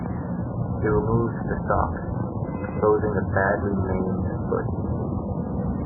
He removes the sock, exposing a badly maimed foot.